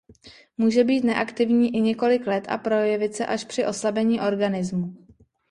Může být neaktivní i několik let a projevit se až při oslabení organismu.